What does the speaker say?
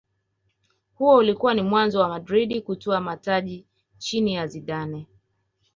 huo ulikuwa mwanzo wa madrid kutwaa mataji chini ya zidane